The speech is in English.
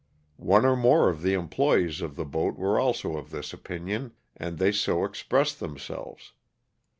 One or more of the employes of the boat were also of this opinion and they so expressed themselves.